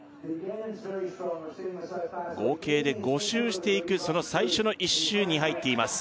合計で５周していくその最初の１周に入っています